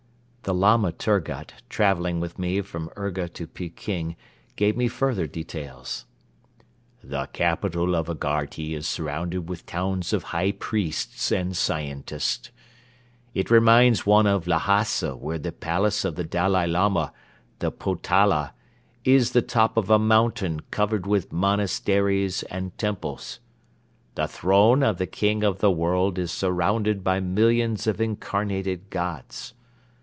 The Lama Turgut traveling with me from Urga to Peking gave me further details. "The capital of Agharti is surrounded with towns of high priests and scientists. It reminds one of Lhasa where the palace of the Dalai Lama, the Potala, is the top of a mountain covered with monasteries and temples. The throne of the King of the World is surrounded by millions of incarnated Gods.